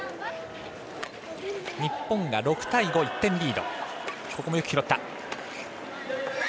日本が６対５、１点リード。